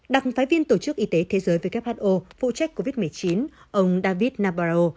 đặc phái viên tổ chức y tế thế giới who phụ trách covid một mươi chín ông david naboro